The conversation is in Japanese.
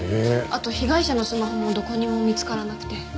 あと被害者のスマホもどこにも見つからなくて。